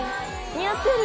似合ってる！